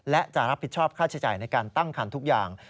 และจะรับผิดชอบค่าใช้จ่ายในการตั้งคันทุกอย่าง